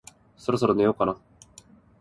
そろそろ寝ようかな